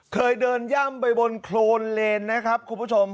เคยเดินย่ำไปบนโครนเลนนะครับคุณผู้ชม